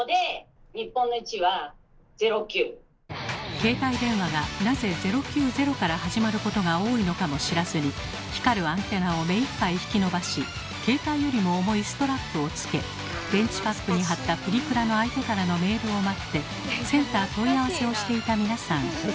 携帯電話がなぜ「０９０」から始まることが多いのかも知らずに光るアンテナを目いっぱい引き伸ばし携帯よりも重いストラップをつけ電池パックに貼ったプリクラの相手からのメールを待ってセンター問い合わせをしていた皆さん。